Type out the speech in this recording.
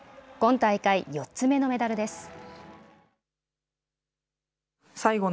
今大会、４つ目のメダルです。